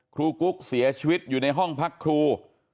กุ๊กเสียชีวิตอยู่ในห้องพักครู